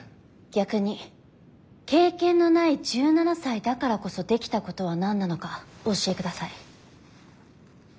逆に経験のない１７才だからこそできたことは何なのかお教えください。